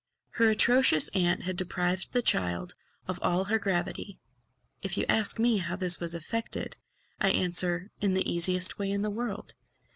_ Her atrocious aunt had deprived the child of all her gravity. If you ask me how this was effected, I answer, "In the easiest way in the world.